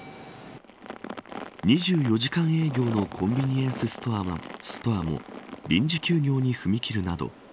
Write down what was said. ２４時間営業のコンビニエンスストアも臨時休業に踏み切るなど